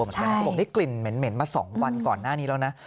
เขาบอกได้กลิ่นเหม็นมา๒วันก่อนหน้านี้แล้วนะ